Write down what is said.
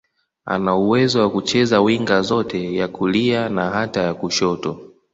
Ana uwezo wa kucheza winga zote, ya kulia na hata ya kushoto.